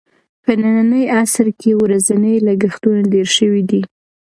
په ننني عصر کې ورځني لګښتونه ډېر شوي دي.